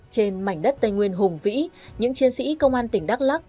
trên mảnh đất tây nguyên hùng vĩ những chiến sĩ công an tỉnh đắk lắc